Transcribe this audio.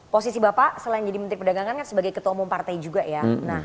posisi bapak selain jadi menteri perdagangan kan sebagai ketua umum partai juga ya